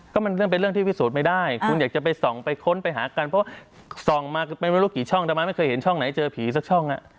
ก็มันเรื่องเป็นเรื่องที่พิสูจน์ไม่ได้คุณอยากจะไปส่องไปค้นไปหากันเพราะว่าส่องมาไม่รู้กี่ช่องแต่มันไม่เคยเห็นช่องไหนเจอผีสักช่อง